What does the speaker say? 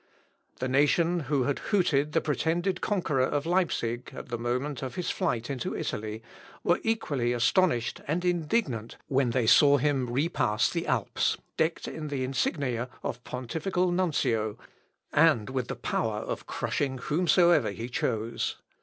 The nation who had hooted the pretended conqueror of Leipsic at the moment of his flight into Italy, were equally astonished and indignant when they saw him repass the Alps, decked in the insignia of pontifical nuncio, and with the power of crushing whomsoever he chose.